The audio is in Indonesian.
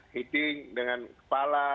hitting dengan kepala